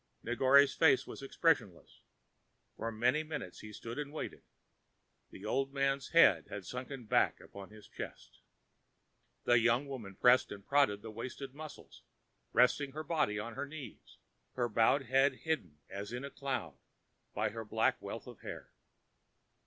Negore's face was expressionless. For many minutes he stood and waited. The old man's head had sunk back upon his chest. The young woman pressed and prodded the wasted muscles, resting her body on her knees, her bowed head hidden as in a cloud by her black wealth of hair.